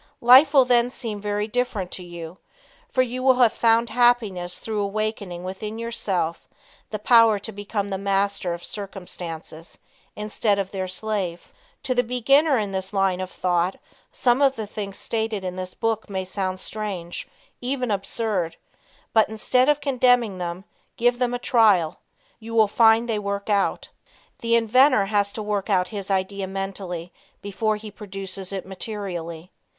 Life will then seem very different to you, for you will have found happiness through awakening within yourself the power to become the master of circumstances instead of their slave. To the beginner in this line of thought some of the things stated in this book may sound strange, even absurd, but, instead of condemning them, give them a trial. You will find they will work out. The inventor has to work out his idea mentally before he produces it materially.